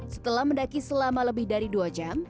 setelah mendaki selama lebih dari dua jam